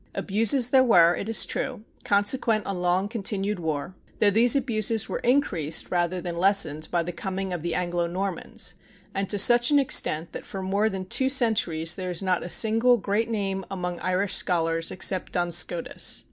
Abuses there were, it is true, consequent on long continued war, though these abuses were increased rather than lessened by the coming of the Anglo Normans, and to such an extent that for more than two centuries there is not a single great name among Irish scholars except Duns Scotus.